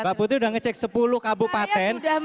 mbak putri sudah ngecek sepuluh kabupaten